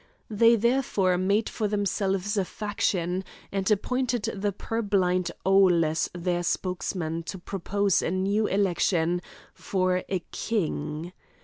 They therefore made for themselves a faction, and appointed the purblind owl as their spokesman to propose a new election for a king.